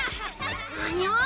なにを！